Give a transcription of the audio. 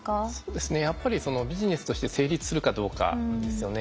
やっぱりビジネスとして成立するかどうかですよね。